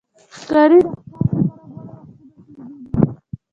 ښکاري د ښکار لپاره غوره وختونه پېژني.